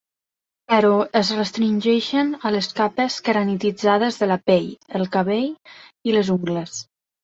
Però es restringeixen a les capes queratinitzades de la pell, el cabell i les ungles.